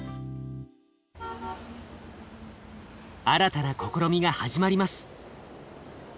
新たな試みが始まります。